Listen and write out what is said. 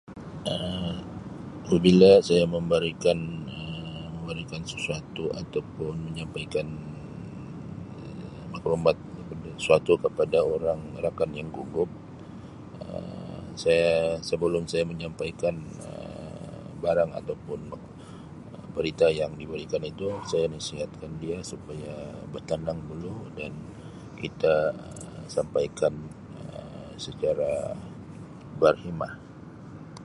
Um Apabila saya memberikan Um memberikan sesuatu atau pun menyampaikan maklumat atau sesuatu kepada orang rakan yang gugup Um saya sebelum saya menyampaikan Um barang atau pun berita yang diberikan itu saya nasihat kan dia supaya bertenang dulu dan kita Um sampaikan Um secara berhemah.